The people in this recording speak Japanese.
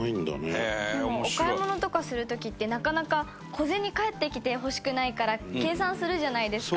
芦田：お買い物とかする時ってなかなか、小銭返ってきてほしくないから計算するじゃないですか。